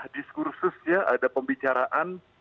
diskursusnya ada pembicaraan